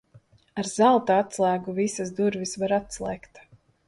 Ar zelta atslēgu visas durvis var atslēgt.